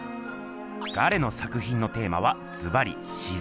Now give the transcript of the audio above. ガレの作ひんのテーマはずばり「自ぜん」。